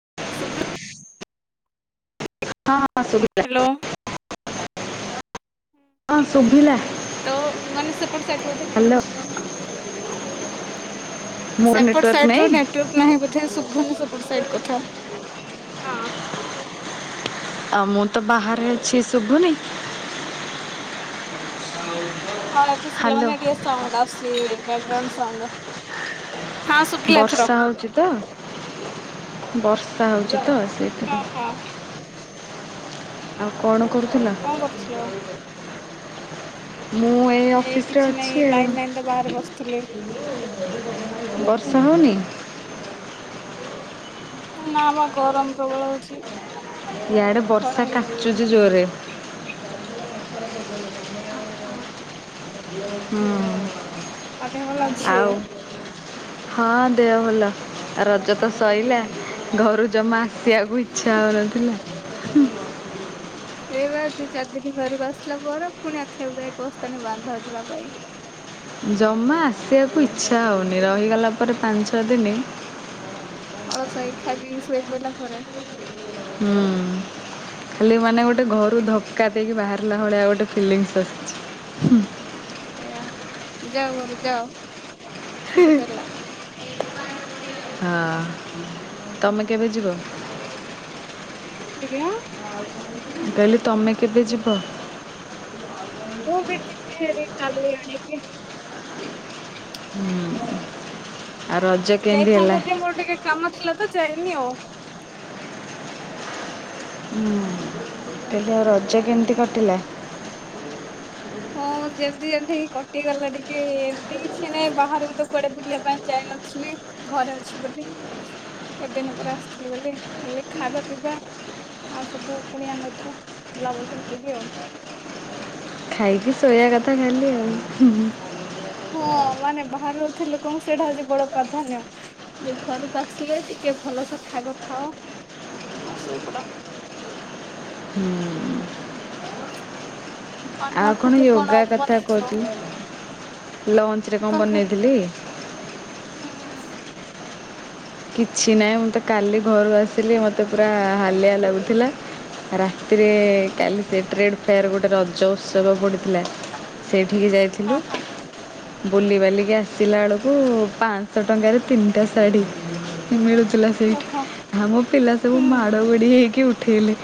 [unintelligible] [unintelligible] Hello. [unintelligible] ହଁ ଶୁଭିଲା ତ ମାନେ ସେପଟ ସାଇଟ୍ ରେ ବୋଧେ ହ୍ୟାଲୋ ନେଟୱର୍କ ମୋର ସେପଟ ନେଟୱାର୍କ ସାଇଟ୍ ର ନାହିଁ ନେଟୱର୍କ ନାହିଁ ବୋଧେ ଶୁଭୁନି ସେପଟ ସାଇଟ୍ କଥା। ହଁ। ଆଉ ମୁଁ ତ ବାହାରେ ଅଛି ଶୁଭୁନି। ହଁ ଏବେ ଶୁଭିଲା। ହ୍ୟାଲୋ ମାନେ ଟିକେ ସାଉଣ୍ଡ ଆସୁଚି ବ୍ୟାଗ୍ ଗ୍ରାଉଣ୍ଡ। [unintelligible] ବର୍ଷା ହଉଛି ତ। ବର୍ଷା ହଉଛି ତ। ସେଇଥିପାଇଁ ଓହୋ। ଆଉ କଣ? କରୁଥିଲ କଣ କରୁଥିଲ? ମୁଁ ଏଇ ଅଫିସରେ କିଛି ନାଇଁ ଅଛି ଆଉ। ଲାଇନ୍ ନାଇଁ ତ ବାହାରେ ବସିଥିଲି। ହୁଁ ହୁଁ ବର୍ଷା ହଉନି? ନାଁ ମ ଗରମ ପ୍ରବଳ ହଉଛି। ଇଆଡେ ଖରା ବର୍ଷା ହେଇଛି। କାଚୁଛି ଜୋରେ। ହଁ ହଁ ହଁ। ଆଉ ଦେହ ଭଲ ଅଛି। ହଁ ଦେହ ଭଲ ରଜ ତ ସରିଲା ଘରୁ ଜମା ଆସିବାକୁ ଇଚ୍ଛା ହଉନଥିଲା। ହୁଁ। ସେ ବାର ଦି ଚାରି ଦିନ ଘରକୁ ଆସିଲା ପରେ, ପୁଣି ଆଉ ଥରେ ବେକ ବସ୍ତାନି ବାନ୍ଧ ଯିବା ପାଇଁ। ଜମା ଆସିବାକୁ ଇଚ୍ଛା ହଉନି। ରହିଗଲା ପରେ ପାଞ୍ଚ ଛଅ ଦିନି। ଅଳସୁଆ ହେଇକି ଖାଇ ପିଇକି ଶୋଇ ପଇଲା ପରେ। ହୁଁ ଖାଲି ମାନେ ଗୋଟେ ହୁଁ ହୁଁ ଘରୁ ଧକ୍କା ଦେଇକି ବାହାରେ ଲା ଭଳିଆ ଗୋଟେ ଫିଲିଙ୍ଗସ୍ ଆସିଛି। ସେୟା ଯାଉର ଯାଅ। ଛୁଟି ସରିଲା। ହଁ। ତମେ କେବେ ଯିବ। ଆଜ୍ଞା। ମୁଁ କହିଲି ତମେ କେବେ ଯିବ। ମୁଁ ବି ଯିବି ହାରି କାଲି ଆଣିକି। ଆଉ ରଜ କେମିତି ହେଲା? ଯାଇଥାନ୍ତେ ଯେ ମୋର ଟିକେ କାମ ଥିଲା ତ ଯାଇଏନି ଆଉ। ହୁଁ କଲି ଆଉ ରଜ କେମିତି କଟିଲା। ହଁ ଯେମିତି ଯେମିତି ହେଇକି କଟିଗଲା ଟିକେ ଏମିତି କିଛି ନାହିଁ। ବାହାରକୁ ତ କୁଆଡେ ବୁଲିବା ପାଇଁ ଯାଇନଥିଲି। ଘରେ ଅଛି ବୋଲି ଏଦିନ ପରେ ଆସିଥିଲି ବୋଲି ଖାଲି ଖାଇବା ପିଇବା ଆଉ ସବୁ କୁଣିଆ ମଇତ୍ର ବୁଲାବୁଲି ହେତିକି ଆଉ। ଖାଇକି ଶୋୟା କଥା ଖାଲି ଆଉ। ବାହାରୁ ରହୁଥିଲେ ଲୋକଙ୍କୁ ସେଇଟା ଆଜି ବଡ ପ୍ରାଧାନ୍ୟ। ଯେ ଘରକୁ ଆସିଲେ ଟିକେ ଭଲସେ ଖାଇବା ଖାଅ ଆ ଶୋଇ ପଡ। ହୁଁ। ନୂଆ ଆଉ କଣ ଖାଦ୍ୟ ୟୋଗା କଥା ବନେଇଥିଲ? କହୁଥିଲି। ଲଞ୍ଚରେ କଣ ବନେଇଥିଲି। ହୁଁ କିଛି ନାହିଁ ମୁଁ ତ କାଲି ଘରୁ ଆସିଲି। ମୋତେ ପୁରା ହାଲିଆ ଲାଗୁଥିଲା। ରାତିରେ କାଲି ସେ ଟ୍ରେଡ୍ ଫ୍ରେୟାର୍ ଗୋଟେ ରଜ ଉତ୍ସବ ପଡିଥିଲା। ସେ ଉଠିକି ଯାଇଥିଲୁ। ହଁ ହଁ ବୁଲିିବାଲିକି ଆସିଲା ବେଳକୁ ପାଞ୍ଚଶହ ଟଙ୍କାରେ ତିନିଟା ଶାଢୀ। ମିଳୁ ଥିଲା ଓହୋ ସେଇଠି ଆମ ପିଲା ସବୁ ହୁଁ ମାଡ ଗଡି ହେଇକି ଉଠ ଉଠେଇଲେ।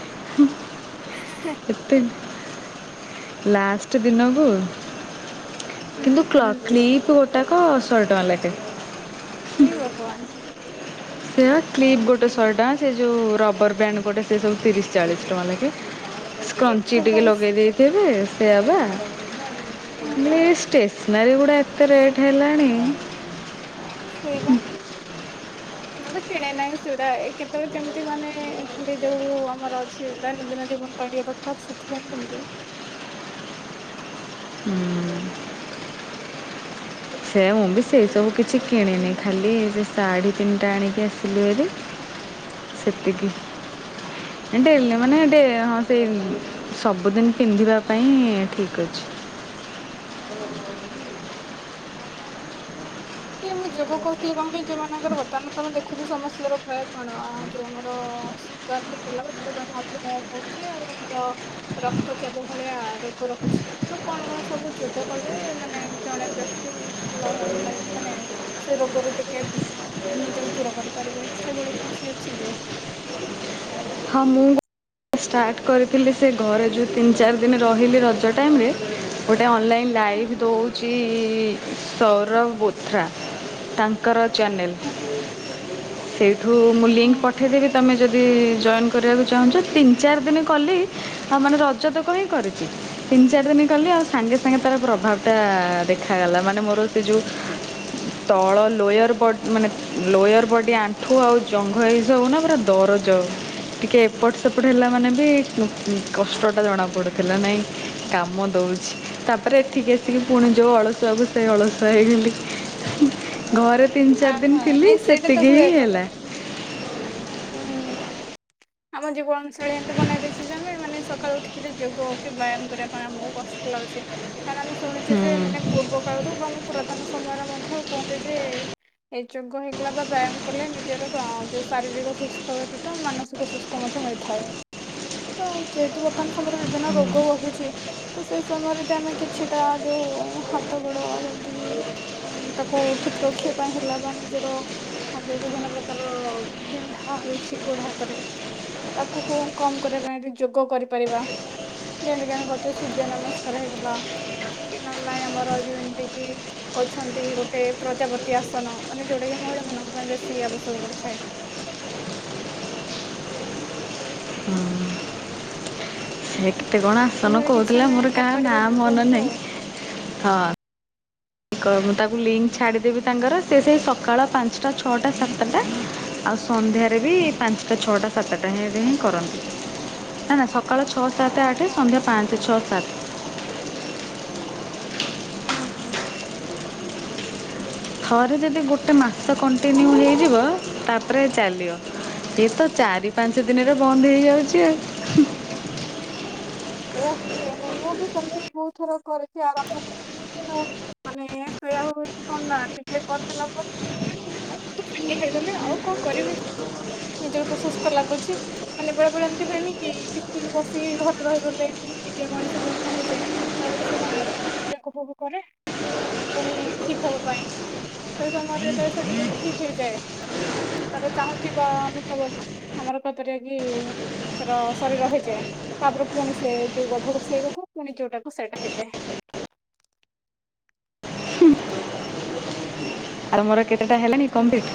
କେତେ। ଲାଷ୍ଟ୍ ଦିନକୁ। ହୁଁ କିନ୍ତୁ କ୍ଲ ହୁଁ କ୍ଲିପି ଗୋ କଟାକ ଶହେ ଟଙ୍କା ଲାଖେ। ଏଇ ଭଗବାନ। ସେଆ କ୍ଲିପ୍ ଗୋଟେ ଶହେ ଟଙ୍କା ସେ ଯେଉଁ ରବର ବ୍ୟାଣ୍ଡ ଗୋଟେ ସେ ସବୁ ତିରିଶ ଚାଳିଶ ଟଙ୍କା ଲାଗେ। ସ୍କଞ୍ଚି ଏତେ ଟିକେ ପ୍ରାଇସ୍ ଲଗେଇ ଦେଇଥିବେ। ସେୟା ବା। ହୁଁ ହୁଁ ନିଶ୍ ଷ୍ଟେ ସନାରୀ ଗୁଡ଼ା ଏତେ ରେଟ୍ ହେଲାଣି? ସେଇବା ମୁଁ ତ କିଣେ ନାହିଁ ସେଟା ଏ କେତେବେଳେ କେମିତି ମାନେ ଖାଲି ଯୋଉ ଆମର ଅଛି ଦୈନନ୍ଦିନ ଜୀବନ ପାଇଁ ଟିକେ ଦରକାର ସେଥିପାଇଁ କିଣିଦିଏ। ହୁଁ ସେ ମୁଁ ବି ସେଇ ସବୁ କିଛି କିଣିନି ଖାଲି ସେ ଶାଢ଼ୀ ତିନିଟା ଆଣିକି ଆସିଲି ବୋଲି ସେତିକି। ହୁଁ। ଡେଲି ମାନେ ଡେ ହଁ ସେ ସବୁଦିନ ପିନ୍ଧିବା ପାଇଁ ଠିକ୍ ଅଛି। ହୁଁ। କି ମୁଁ ଯୋଗ କହୁଥିଲି କଣ କି? ସେମାନଙ୍କର ବର୍ତ୍ତମାନ ତମେ ଦେଖ୍ ଖୁଦୁ ସମସ୍ୟାର ପ୍ରାୟ କଣ ଆ ଯୋଉ ଆମର ସୁଗାର ହେଇଗଲା ବା ଯଉଟାକ ଆମେ ମଧୁମେହ କହୁଛେ ଆଉ ଆମର ରକ୍ତ ଚାପ ଭଳିଆ ରୋଗ ରହୁଛି ତ କଣ କଣ ସବୁ ଯୋଗ କଲେ ମାନେ ଜଣେ ବ୍ୟକ୍ତି ଭଲ ପାଇବେ। ମାନେ ସେ ରୋଗରୁ ଟିକେ ନିଜକୁ ଦୂର କରିପାରିବେ ସେଭଳି କିଛି ଅଛି କି? ହଁ ମୁଁ ଷ୍ଟାର୍ଟ କରିଥିଲି ସେ ଘରେ ଯେଉଁ ତିନି ଚାରି ଦିନ ରହିଲି ରଜ ଟାଇମରେ। ଗୋଟେ ଅନଲାଇନ୍ ହୁଁ ଲାଇଭ୍ ହୁଁ ଦଉଛି। ସୌରଭ ବୋଥ୍ରା ତାଙ୍କର ଚ୍ୟାନେଲ ହୁଁ ହୁଁ ସେଇଠୁ ମୁଁ ହୁଁ ଲିଙ୍କ ପଠେଇଦେବି ତମେ ଯଦି ଜଏନ୍ କରିବାକୁ ଚାହୁଁଛୁ ତିନି ଚାରି ଦିନ କଲି ଆଉ ମାନେ ରଜ ତକ ହିଁ କରିଛି। ତିନି ଚାରି ଦିନ କଲି ଆଉ ସାଙ୍ଗେ ସାଙ୍ଗେ ତାର ପ୍ରଭାବ ଟା ଦେଖାଗଲା। ଟିକେ ଏପଟ ସେପଟ ହେଲା ମାନେ ବି କଷ୍ଟଟା ଜଣାପଡ଼ୁଥିଲା ନାଇଁ କାମ ଦଉଛି ତାପରେ ଏଠିକି ଆସିକି ପୁଣି ଯୋଉ ଅଳସୁଆକୁ ସେଇ ଅଳସୁଆ ହେଇଗଲି ହିଁ। ଘରେ ତିନି ହଁ ଚାରି ଦିନ ହଁ ଥିଲି ନାଇଁ ସେଇଟା ତ ସେତିକି ହିଁ ହୁଏ ବଟ୍ ହେଲା। ହୁଁ ଆମ ଜୀବନଶୈଳୀ ଏମିତି ବନେଇ ଦେଇଛେ ଯେ ଆମେ ମାନେ ସକାଳୁ ଉଠିକି ଟିକେ ଯୋଗ କି ବ୍ୟାୟାମ କରିବା ପାଇଁ ଆମକୁ କଷ୍ଟ ଲାଗୁଛି। କାରଣ ଆମେ ଶୁଣିଥିଲେ ଯେ ହୁଁ ଏମାନେ ପୂର୍ବ କାଳରୁ ଏବଂ ପୁରାତନ ସମୟରେ ମଧ୍ୟ କୁହନ୍ତି ଯେ ଏ ଇଏ ଯୋଗ ହେଇଗଲା ବା ବ୍ୟାୟାମ କଲେ ନିଜର ଯୋଉ ଶାରୀରିକ ସୁସ୍ଥ ବ୍ୟତୀତ ମାନସିକ ଅଧିକ ସୁସ୍ଥ ମଧ୍ୟ ମିଳିଥାଏ ତ ଯେହେତୁ ବର୍ତ୍ତମାନ ସମୟରେ ବିଭିନ୍ନ ରୋଗ ବଢୁଛି ତ ସେଇ ସମୟରେ ଯଦି ଆମେ କିଛିଟା ଯୋଉ ହାତ ଗୋଡ ଯେମିତିକି ତାକୁ ଠିକ ରଖିବା ପାଇଁ ହେଲା ବା ନିଜର ଯୋଉ ବିଭିନ୍ନ ପ୍ରକାରର ବିନ୍ଧା ହଉଛି ଗୋଡ ହାତରେ ତାକୁ କୋଉଁ କମ କରିବା ପାଇଁ ଆମେ ଯୋଗ କରିପାରିବା ଯେମିତିକି ଆମେ କହୁଛେ ସୂର୍ଯ୍ୟ ନମସ୍କାର ହେଇଗଲା କି ନହେଲେ ନାଇଁ ଆମର ଯେମିତିକି କହୁଛନ୍ତି ଗୋଟେ ପ୍ରଜାପତି ଆସନ ମାନେ ଯୋଉଟା କିି ଆମ ମହିଳା ମାନଙ୍କ ପାଇଁ ବେଶୀ ଆବଶ୍ୟକ ପଡିଥାଏ। [unintelligible] ହଁ କେତେ କଣ ଆସନ ଏଭଳି କିଛି କହୁଥିଲା ଆମେ ମୋର କାହା ନାଁ କରିପାରିବା ଯୋଗ ମନ ହେତୁ ନାହିଁ ଆଉ। ହଁ। କ ମୁଁ ତାକୁ ଲିଙ୍କ ଛାଡ଼ିଦେବି ତାଙ୍କର ସେ ସେ ସକାଳ ପାଞ୍ଚଟା ଛଅଟା ସାତଟା ଆଉ ସନ୍ଧ୍ୟାରେ ବି ପାଞ୍ଚଟା ଛଅଟା ସାତଟା ହେଲେ ହିଁ କରନ୍ତି ହେଲା ସ ସକାଳ ଛଅ ସାତ ହଁ ଆଠ ହଁ ସନ୍ଧ୍ୟା ପାଞ୍ଚ ଛଅ ସାତ। ହୁଁ ହୁଁ। ଥରେ ଯଦି ଗୋଟେ ମାସ କଣ୍ଟିନ୍ୟୁ ହେଇଯିବ ତାପରେ ଚାଲିବ ଇଏ ତ ଚାରି ପାଞ୍ଚ ଦିନରେ ବନ୍ଦ ହେଇଯାଉଛି ଆଉ ହୁଁ। ଏୟା ହୁଏନି ମୁଁ ବି ସେମିତି ବହୁତ ଥର କରିଛି ଆରମ୍ଭ କରିଥିଲି କିନ୍ତୁ ମାନେ ସେୟା ହୁଏକି କଣ ନା ଟିକେଟ୍ କରିଦେଲା ପରେ କ ମୁଁ ତ ଠିକ ହେଇଗଲି ଆଉ କଣ କରିବି ନିଜକୁ ତ ସୁସ୍ଥ ଲାଗୁଛି ମାନେ ବେଳେ ବେଳେ ଏମିତି ହୁଏନି କି କିଛି ଦିନ ବସିକି ଘରେ ରହିଗଲେ ଲେ ଟିକେ ମଣିଷ ମୋଟା ହେଇଯାଏ ତାପରେ ସେ କଣ କରେ ଟିକେ ଯୋଗ ଫୋଗ କରେ ପୁଣି ଠିକ ହବା ପାଇଁ ସେ ସମୟରେ ଯେତେବେଳେ ସେ ଟିକେ ଠିକ ହେଇଯାଏ ତାର ଚାହୁଁଥିବା ମୁତାବକ ଆମର କପରେ କି ତାର ଶରୀର ହେଇଯାଏ ତାପରେ ପୁଣି ସେ ଯୋଉ ଗଧକୁ ସେ ଗଧ ପୁଣି ଯୋଉଟାକୁ ସେଇଟା ହେଇଯାଏ। ଆମର କେତେଟା ହେଲାଣି କମ୍ପ୍ଲିଟ୍।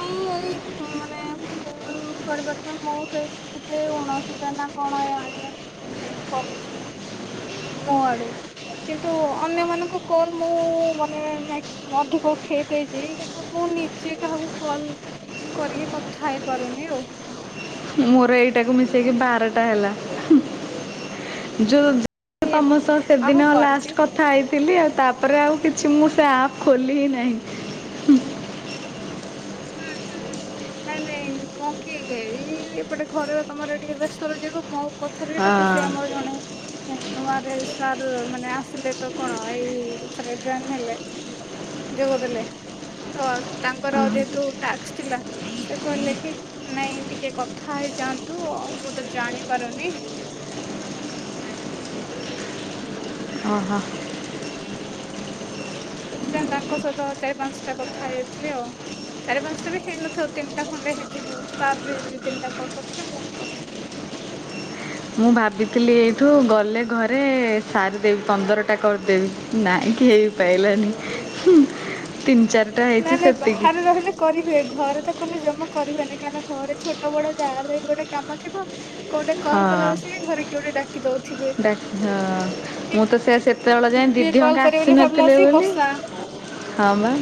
ମୁଁ ମାନେ ଫୋନ କରିବା ତ ମୁଁ ସେଇ କେତେ ଉଣସିଟା ନା କଣ ଏ ମାନେ କରିଛି ମୋ ଆଡୁ କିନ୍ତୁ ଅନ୍ୟମାନଙ୍କୁ କଲ୍ ମୁଁ ମାନେ ମ୍ୟାକ୍ ଅଧିକ ଉଠେଇ ଦେଇଛି କିନ୍ତୁ ମୁଁ ନିଜେ କାହାକୁ କଲ କରିକି କଥା ହେଇପାରୁନି ଆଉ। ମୋର ଏଇଟାକୁ ମିଶେଇକି ବାରଟା ହେଲା ଯୋଉ ମୁ ଏ ମା ତମ ସହ ଆଉ ସେଦିନ କରିଦିଅ ଲାଷ୍ଟ କଥା ହେଇଥିଲି ଆଉ ତାପରେ ଆଉ କିଛି ମୁଁ ସେ ଆପ ଖୋଲି ହି ନାହିଁ। ହୁଁ ହୁଁ ନାଇଁ ନାଇଁ କଣ କି ଏଇ ଏପଟେ ଘର କାମରେ ଟିକେ ବ୍ୟସ୍ତ ରହିଯିବାକୁ ମୋ କଥା ବି ହେଇପାରୁନି ହଁ ସେ ଆମର ଜଣେ ହେବେ। ନୂଆରେ ସାର୍ ମାନେ ଆସିଲେ, ତ କଣ ଏଇ ଜଏନ ହେଲେ, ଯୋଗଦଲେ, ତ ତାଙ୍କର ଯେ ଆକ୍ସ୍ ଥିଲା, ସେ କହିଲେ କି ନାଇଁ, ଟିକେ କଥା ହେଇଯାଆନ୍ତୁ, ମୁଁ ତ ଜାଣି ପାରୁନି। ଓହୋ। ସେଥିପାଇଁ ତାଙ୍କ ସହିତ ଚାରି, ପାଞ୍ଚଟା କଥା ହେଇଯାଇଥିଲି, ଆଉ ଚାରି, ପାଞ୍ଚଟା ବି ହେଇନଥିବ, ତିନିଟା ଖଣ୍ଡେ ହେଇଥିବ। ସାର୍ ବି ଦି, ତିନିଟା କଲ କରିିଥିଲେ, ମୁଁ ବି କରିଥିଲି। ମୁଁ ଭାବିଥିଲି ଏଇଠୁ ଗଲେ ଘରେ ସାରି ଦେବି, ପନ୍ଦରଟା କରିଦେବି, ନାଇଁ କି ହେ ପାଇଲାନି ତିନି, ଚାରି ନାଇଁ, ନାଇଁ ବାହାରେ ରହିଲେ କରି ହୁଏ। ଘରେ ତ କଲେ ଜମା କରିହୁଏନି। କାରଣ ଘରେ ଛୋଟ, ବଡ ଯାହା ହେଲେ, ବି ଗୋଟେ କାମ ଥିବ। କୋଉଟେ ହଁ, କଲ୍ କଲା ବସିକି ଘରେ କିଏ ଗୋଟେ ଡାକି ଦଉଥିବେ ଡା, ହଁ, କି ମୁଁ ତ ସେୟା ସେତେବେଳେ ଯାଏ। ଟିକେ ଦିଦି କଲ୍ ହଙ୍କା କରିବେ ବୋଲି ଭାବିଲା ଆସିନଥିଲେ, ଆସିକି ବୋଲି ବର୍ଷା ହଁ ବା।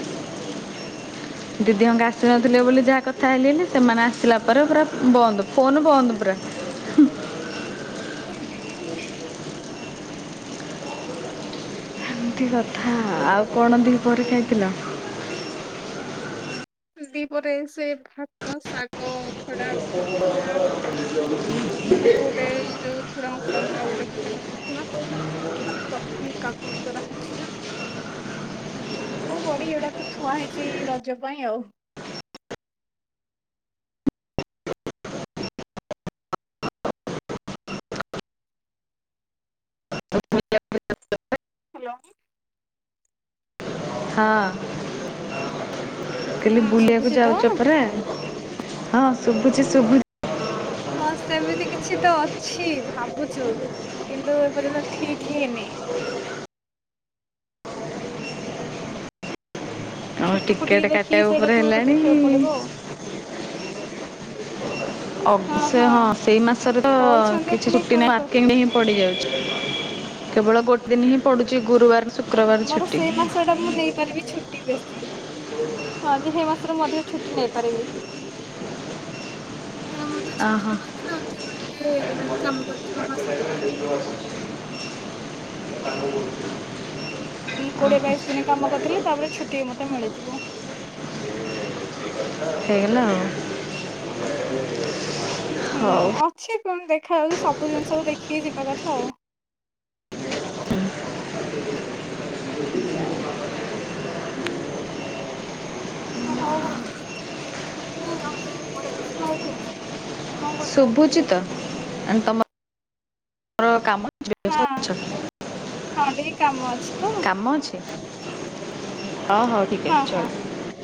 ଦିଦି ହଙ୍କା ଆସନଥିଲେ, ବୋଲି ଯାହା କଥା ହେଲିନି। ସେମାନେ ଆସିଲା ପରେ ପୁରା ବନ୍ଦ, ଫୋନ୍ ବନ୍ଦ ପୁରା। [inaudible] [inaudible] ଏମତି କଥା, ଆଉ କଣ ଦି ପହରେ ଖାଇଥିଲ? ଦିପହରେ ସେ ଭାତ, ଶାଗ, ଖଡା ଭଜା। ଆଉ ସବୁ ଗୋଟେ ଏଇ ଯୋଉ ଝୁଡଙ୍ଗ, ଫୁଡଙ୍ଗ ଆଉ ଗୋଟେ ଭଜା କରାହେଇଥିଲା। ତାରେ ଦହି, କାକୁଡି କରାହେଇଥିଲା, ଆମ୍ୱ, ବଡି ଏଇଡା ତ ଥୁଆ ହେଇଛି, ଏଇ ରଜ ପାଇଁ ଆଉ। [unintelligible] ହାଲୋ, ହଁ [inaudible] କାଲି ହୁଁ ବୁଲିବାକୁ ଶୁଭୁଛି ତ? ଯାଉଛ, ପରା ହଁ, ସୁ ସୁଭୁଛି, ସୁଭୁ ହଁ, ସେମିତି କିଛି ତ ଅଛି। ଭାବୁଚୁ, କିନ୍ତୁ ଏପର୍ଯ୍ୟନ୍ତ ଠିକ ହେଇନି। ଆଉ ଛୁଟି ଫୁଟିକି ଟିକେଟ ଦେଖିକି କାଟିବା ଉପରେ ସେଇଟାକୁ ହେଲାଣି, ଦେଖିବାକୁ ପଡିବ ଆଉ। ସେ, ହଁ ସେଇ ମାସରେ ତ କହୁଛନ୍ତି କିଛି ପୁଣି ଛୁଟି, କଣ କର ପାର୍କିଂ ହିଁ ପଡିଯାଉଛି। କେବଳ ଗୋଟେ ଦିନ ହିଁ, ପଡୁଛି। ମୋର ସେଇ ମାସ ଟା ମୁଁ, ନେଇ ପାରିବି ଛୁଟି ବେଶୀ। ହଁ, ଯେ ସେଇ ମାସରେ ମୁଁ, ଅଧିକ ଛୁଟି ନେଇପାରିବି। କାରଣ, ମତେ ଅହ ଛୁଟି ନେବାକୁ ହେଲେ, ଅଧିକ ଟିକେ ମାନେ କାମ କରୁଥିବା ମାସ ଦରକାର। କୋଡିଏ, ବାଇଶ ଦିନ କାମ କରିଦେଲେ, ତାପରେ ଛୁଟି ମତେ ମିଳିଯିବ। ହେଇଗଲା ଆଉ [inaudible] ହୁଁ, ହଉ ଅଛି ପୁଣି ଦେଖାଯାଉ, ସବୁ ଜିନିଷକୁ ଦେଖିକି ଯିବା କଥା ଆଉ। ହୁଁ [inaudible] [inaudible] ହଁ, ହଉ ଠିକ ଠାକ ଶୁବୁନି ନହେଲେ ପରେ କଥା ହେଉଚି। ଶୁଭୁଚିତ, ଆ ତମ ମର କାମ ଅଛି, ହଁ, ବ୍ୟସ୍ତ ଅଛ ହଁ, ଟିକେ କାମ ଅଛି ତ। [inaudible] ହଉ, ହଉ ଠିକ ହଁ ଅଛି, ହଁ। ଚଳି